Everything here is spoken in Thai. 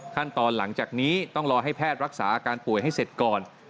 หลังจากนี้ต้องรอให้แพทย์รักษาอาการป่วยให้เสร็จก่อน